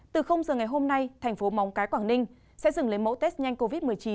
từ giờ ngày hôm nay thành phố móng cái quảng ninh sẽ dừng lấy mẫu test nhanh covid một mươi chín